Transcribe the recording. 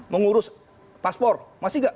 mengurus paspor masih nggak